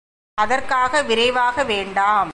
அதற்காக விரைவாக வேண்டாம்.